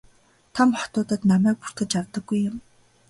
Том хотуудад намайг бүртгэж авдаггүй юм.